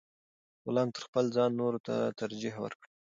غلام تر خپل ځان نورو ته ترجیح ورکړه.